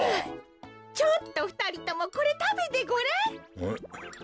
ちょっとふたりともこれたべてごらん。